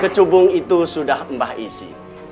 kecubung itu sudah mbah isi